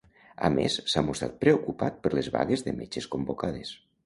A més, s'ha mostrat preocupat per les vagues de metges convocades.